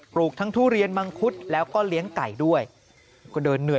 ลูกทั้งทุเรียนมังคุดแล้วก็เลี้ยงไก่ด้วยก็เดินเหนื่อย